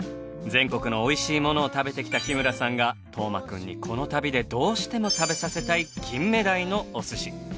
全国のおいしいものを食べてきた日村さんが斗真くんにこの旅でどうしても食べさせたい金目鯛のお寿司。